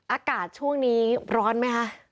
อากาศช่วงนี้ร้อนไหมคะ